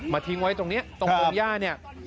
มาทิ้งไว้ตรงเนี้ยตรงโมงย่าเนี้ย